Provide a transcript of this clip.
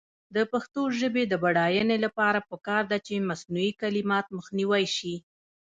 د پښتو ژبې د بډاینې لپاره پکار ده چې مصنوعي کلمات مخنیوی شي.